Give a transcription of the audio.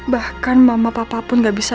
bahkan mama papa pun gak bisa